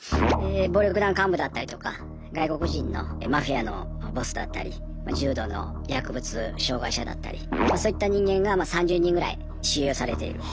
暴力団幹部だったりとか外国人のマフィアのボスだったり重度の薬物障害者だったりそういった人間が３０人ぐらい収容されている。